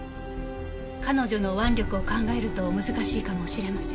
彼女の腕力を考えると難しいかもしれません。